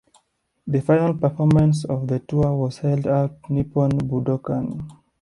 The final performance of the tour was held at Nippon Budokan.